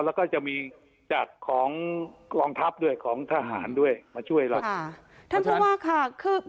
และจะมีของกลองทัพของทหารด้วยมาช่วยเรา